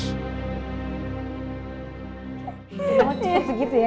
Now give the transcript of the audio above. cukup segitu ya